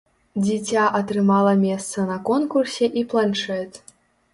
Дзіця атрымала месца на конкурсе і планшэт.